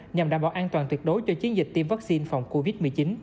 nhằm đảm bảo an toàn tuyệt đối cho chiến dịch tiêm vaccine phòng covid một mươi chín